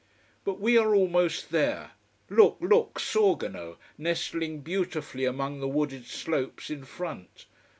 But we are almost there look, look, Sorgono, nestling beautifully among the wooded slopes in front.